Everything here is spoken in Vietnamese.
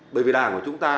bởi vì đảng của chúng ta